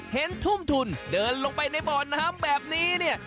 เห็นทุ่มทุนเดินลงไปในบ่อน้ำแบบนี้เนี่ย